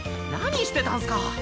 何してたんすか！